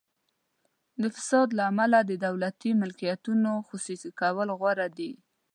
د فساد له امله د دولتي ملکیتونو خصوصي کول غوره دي.